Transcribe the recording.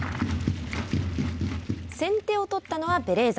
先手を取ったのはベレーザ。